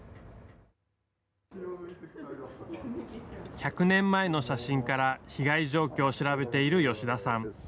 １００年前の写真から被害状況を調べている吉田さん。